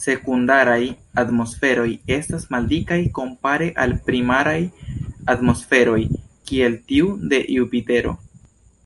Sekundaraj atmosferoj estas maldikaj kompare al primaraj atmosferoj kiel tiu de Jupitero.